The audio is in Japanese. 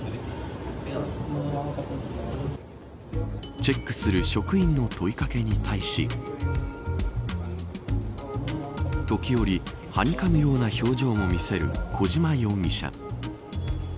チェックする職員の問い掛けに対し時折ハニカムような表情も見せる小島容疑者。